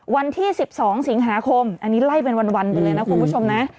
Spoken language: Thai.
วันที่๑๒สิงหาคมอันนี้ไล่เป็นวันไปเลยนะคุณผู้ชมนะ